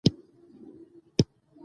را ته وې ویل نو څه وکړم؟